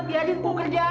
biarkan aku bekerja